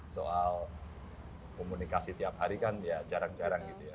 soal komunikasi tiap hari kan ya jarang jarang gitu ya